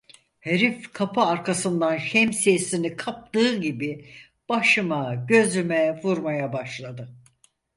Herif kapı arkasından şemsiyesini kaptığı gibi başıma gözüme vurmaya başladı.